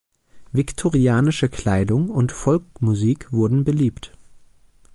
Viktorianische Kleidung und Folkmusik wurden beliebt.